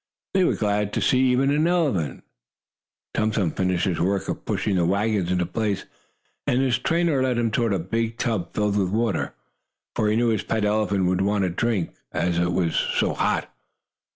They were glad to see even an elephant. Tum Tum finished his work of pushing the wagons into place and his trainer led him toward a big tub filled with water, for he knew his pet elephant would want a drink, as it was so hot.